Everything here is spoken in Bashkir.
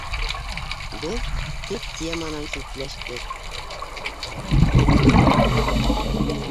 Беҙ төп теманан ситләштек.